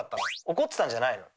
怒ってたんじゃないの？